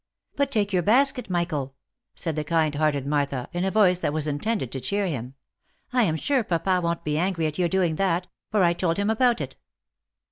" But take your basket, Michael," said the kind hearted Martha, in a voice that was intended to cheer him ; "lam sure papa won't be angry at your doing that, for I told him about it."